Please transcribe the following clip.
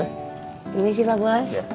ini sih pak bos